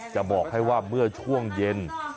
จะบอกให้ว่าเมื่อช่วงเย็น